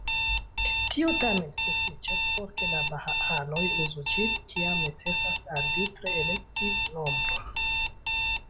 Tio tamen sufiĉas por ke la bahaanoj uzu ĝin, kiam necesas arbitre elekti nombron.